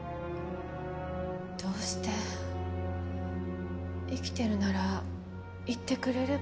どうして生きてるなら言ってくれればよかったのに。